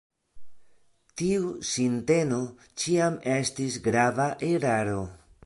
Tiu sinteno ĉiam estis grava eraro.